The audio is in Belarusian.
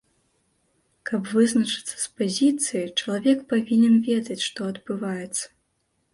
Каб вызначыцца з пазіцыяй, чалавек павінен ведаць, што адбываецца.